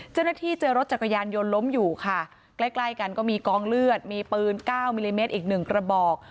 เจ้าหน้าที่เจอรถจักรยานยนต์ล้มอยู่ค่ะใกล้ใกล้กันก็มีกองเลือดมีปืน๙มิลลิเมตรอีก๑กระบอก